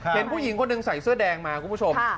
เห็นผู้หญิงคนหนึ่งใส่เสื้อแดงมาคุณผู้ชม